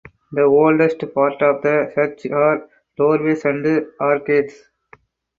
The oldest parts of the church are the doorways and arcades.